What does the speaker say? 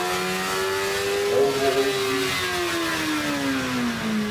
Wôkh évi.